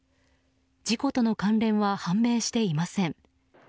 事故との関連は判明していません。